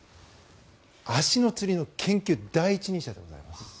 足のつりの研究第一人者でございます。